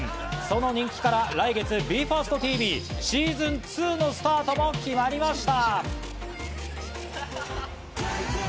その人気から来月『ＢＥ：ＦＩＲＳＴＴＶＳｅａｓｏｎ２』のスタートも決まりました。